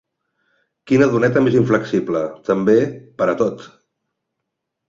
Quina doneta més inflexible, també, per a tot!